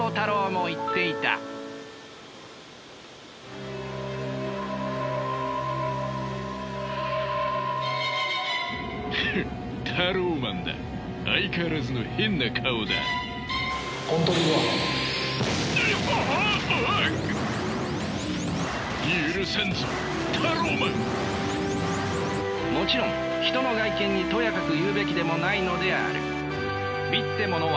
もちろん人の外見にとやかく言うべきでもないのである。